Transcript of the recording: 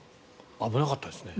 危なかったですね。